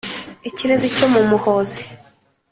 Ikirezi cyo mu Muhozi.